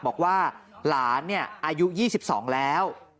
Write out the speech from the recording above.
บอกว่าหลานอายุ๒๒แล้ว